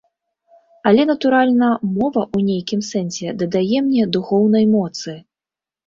Але, натуральна, мова ў нейкім сэнсе дадае мне духоўнай моцы.